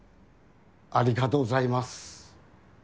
ありがとうございます。